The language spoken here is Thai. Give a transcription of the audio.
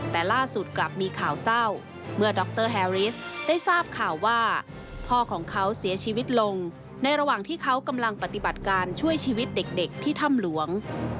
แต่ล่าสุดกลับมีข่าวเศร้าเมื่อดรแฮริสได้ทราบข่าวว่าพ่อของเขาเสียชีวิตลงในระหว่างที่เขากำลังปฏิบัติการช่วยชีวิตเด็กที่ถ้ำหลวง